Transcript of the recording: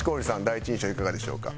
第一印象いかがでしょうか？